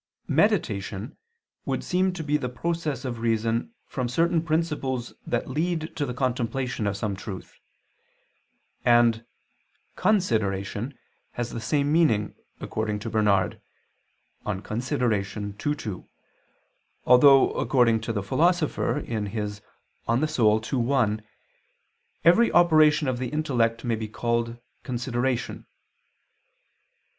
"Meditation" would seem to be the process of reason from certain principles that lead to the contemplation of some truth: and "consideration" has the same meaning, according to Bernard (De Consid. ii, 2), although, according to the Philosopher (De Anima ii, 1), every operation of the intellect may be called "consideration."